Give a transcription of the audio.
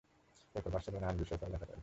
এরপর বার্সেলোনায় আইন বিষয়ে পড়াশোনা করেন।